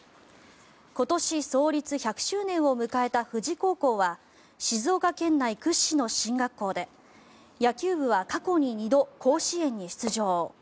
今年、創立１００周年を迎えた富士高校は静岡県内屈指の進学校で野球部は過去に２度、甲子園に出場。